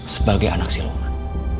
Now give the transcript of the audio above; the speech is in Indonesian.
sebagai anak siluman